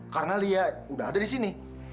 karena lia udah ada di sini